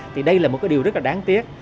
thì đây là một cái điều rất là đáng tiếc